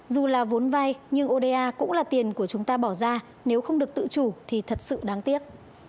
dù là vốn vay nhưng oda cũng là tiền của chúng ta bỏ ra nếu không được tự chủ thì thật sự đáng tiếc